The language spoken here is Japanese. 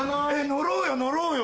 乗ろうよ乗ろうよ。